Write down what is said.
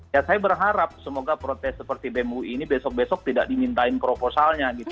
ya saya berharap semoga protes seperti bemui ini besok besok tidak dimintain proposalnya gitu